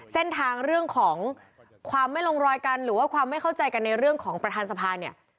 เส้นทางเรื่องของความไม่ลงรอยกันหรือว่าความไม่เข้าใจกันในเรื่องของประธานสภาเนี่ย